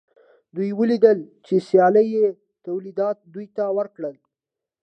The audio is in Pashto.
دوی ولیدل چې سیالۍ تولیدات دوی ته ورکړل